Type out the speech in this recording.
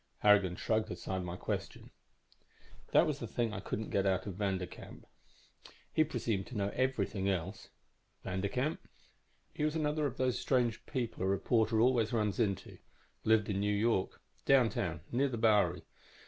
Harrigan shrugged aside my question. "That was the thing I couldn't get out of Vanderkamp, either. He presumed to know everything else." "Vanderkamp?" "He was another of those strange people a reporter always runs into. Lived in New York downtown, near the Bowery.